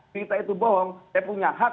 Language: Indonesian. kita itu bohong saya punya hak